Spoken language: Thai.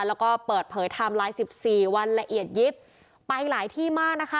แล้วก็เปิดเผยไทม์ไลน์สิบสี่วันละเอียดยิบไปหลายที่มากนะคะ